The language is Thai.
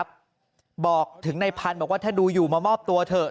บอกถึงในพันธุ์บอกว่าถ้าดูอยู่มามอบตัวเถอะ